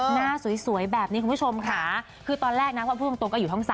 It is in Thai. หน้าสวยแบบนี้คุณผู้ชมค่ะคือตอนแรกนะพอพูดตรงก็อยู่ช่อง๓